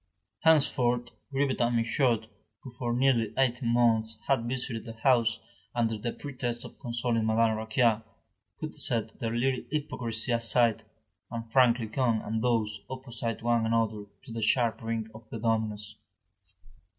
Henceforth, Grivet and Michaud, who for nearly eighteen months had visited the house under the pretext of consoling Madame Raquin, could set their little hypocrisy aside, and frankly come and doze opposite one another to the sharp ring of the dominoes.